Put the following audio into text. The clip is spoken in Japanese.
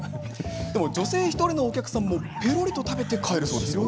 でも、女性１人のお客さんもぺろりと食べて帰るそうですよ。